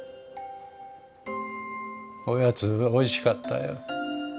おやつおいしかったよ。